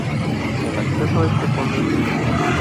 El acceso a este fondo es libre.